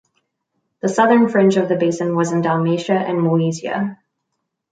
The southern fringe of the basin was in Dalmatia and Moesia.